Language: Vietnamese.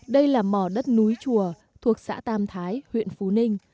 đây là mỏ đất núi chùa thuộc xã tam thái huyện phú ninh